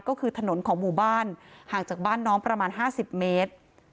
ก็คือถนนของหมู่บ้านห่างจากบ้านน้องประมาณ๕๐เมตร